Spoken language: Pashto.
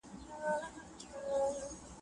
کارغه وزګار نه دی، چې ویېپوښتم: